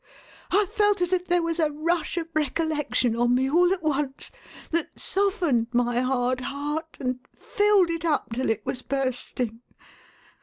I felt as if there was a rush of recollection on me, all at once, that softened my hard heart, and filled it up till it was bursting.